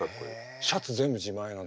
シャツ全部自前なの。